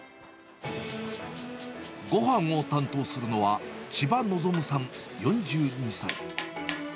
ごはんを担当するのは千葉望さん４２歳。